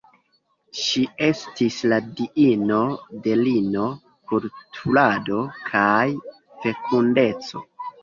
Ŝi estis la diino de lino-kulturado kaj fekundeco.